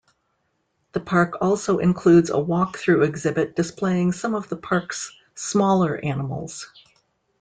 The park also includes a walkthrough exhibit displaying some of the park's smaller animals.